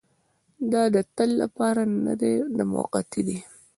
دا د تل لپاره نه دی دا موقتي دی.